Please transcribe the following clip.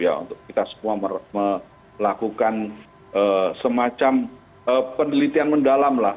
ya untuk kita semua melakukan semacam penelitian mendalam lah